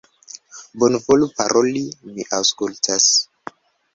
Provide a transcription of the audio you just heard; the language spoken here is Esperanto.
Bonvolu paroli, mi aŭskultas!